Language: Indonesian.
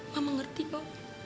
mama ngerti po